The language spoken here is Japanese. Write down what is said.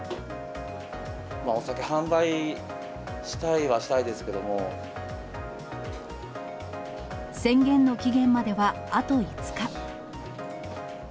お酒販売したいはしたいです宣言の期限まではあと５日。